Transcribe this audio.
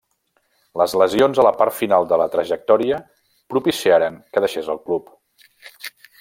Les lesions a la part final de la trajectòria propiciaren que deixés el club.